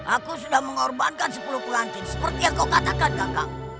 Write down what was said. aku sudah mengorbankan sepuluh puluhan jin seperti yang kau katakan kakang